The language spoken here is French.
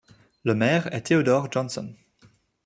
Le maire est Theodore Johnson.